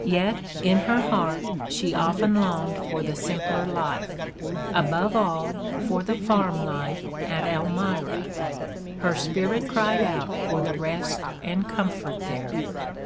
Yet in her heart she often longed for the simpler life — above all, for the farm life at Elmira. Her spirit cried out for the rest and comfort there.